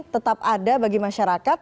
tetap ada bagi masyarakat